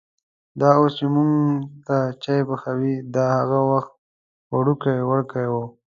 دا اوس چې مونږ ته چای پخوي، دا هغه وخت وړوکی وړکی و.